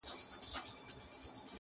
o پر پچه وخوت، کشمير ئې وکوت.